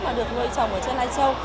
mà được nuôi trồng ở trên lai châu